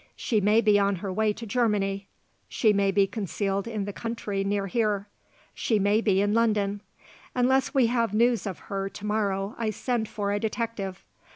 She may be on her way to Germany; she may be concealed in the country near here; she may be in London. Unless we have news of her to morrow I send for a detective.